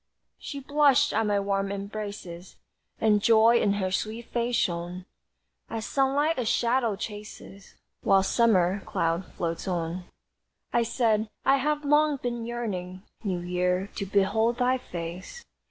She blushed at my warm embraces And joy in her sweet face shone, As sunlight a shadow chases While a summer cloud floats on. I said: "I have long been yearning, New Year, to behold thy face."